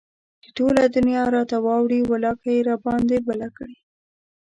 چې ټوله دنيا راته واوړي ولاکه يي راباندى بله کړي